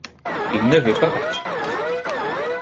Il ne veut pas partir.